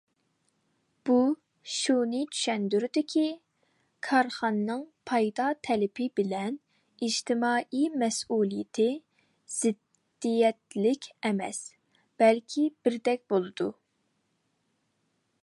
بۇ شۇنى چۈشەندۈرىدۇكى، كارخانىنىڭ پايدا تەلىپى بىلەن ئىجتىمائىي مەسئۇلىيىتى زىددىيەتلىك ئەمەس، بەلكى بىردەك بولىدۇ.